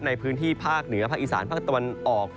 ในพื้นที่ภาคเหนือภาคอีสานภาคตะวันออก